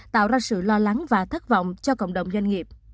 tạo ra sự lo lắng và thất vọng cho cộng đồng doanh nghiệp